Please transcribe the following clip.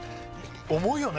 重いよね